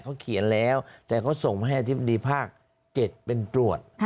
เขาเขียนแล้วแต่เขาส่งมาให้อธิบดีภาค๗เป็นตรวจ